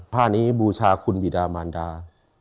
ผ้านี้บูชาคุณบิดามานดา